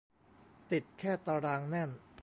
ติดแค่ตารางแน่น